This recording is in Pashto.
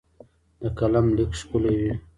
د قلم لیک ښکلی وي.